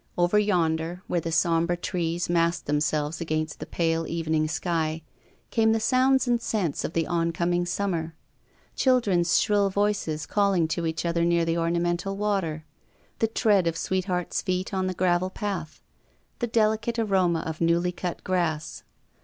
Over yonder, where the sombre trees massed themselves against the pale evening sky, came the sounds and scents of the on coming summer ; children's shrill voices call ing to each other near the ornamental water; the tread of sweethearts' feet on the gravel path ; the delicate aroma of newly cut grass.